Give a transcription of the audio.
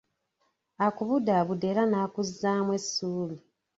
Akubudabuda era nakuzzaamu essuubi.